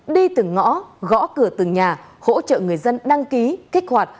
đi từng ngõ gõ cửa từng nhà hỗ trợ người dân đăng ký kích hoạt